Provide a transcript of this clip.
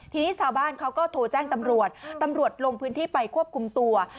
ทีนี้ชาวบ้านเขาก็โทรแจ้งตำรวจตำรวจลงพื้นที่ไปควบคุมตัว